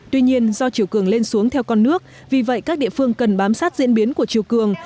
tuy nhiên do chiều cường lên xuống theo con nước vì vậy các địa phương cần bám sát diễn biến của chiều cường